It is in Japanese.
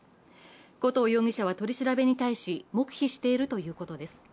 古東容疑者は取り調べに対し黙秘しているということです。